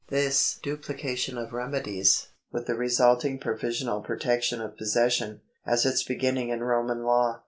This dupHcation of remedies, with the resulting provisional protection of possession, has its beginnings in Roman law.